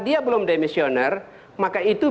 dia belum demisioner maka itu